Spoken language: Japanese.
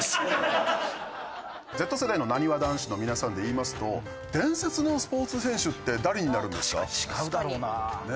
Ｚ世代のなにわ男子の皆さんでいいますと伝説のスポーツ選手って誰になるんですか？